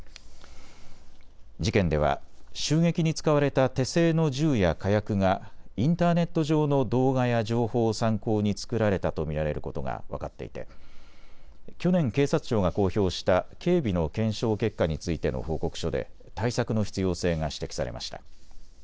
事件では襲撃に使われた手製の銃や火薬がインターネット上の動画や情報を参考に作られたと見られることが分かっていて去年、警察庁が公表した警備の検証結果についての報告書で対策の必要性が指摘されました。